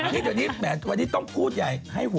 ให้เยอะให้เยอะให้เยอะ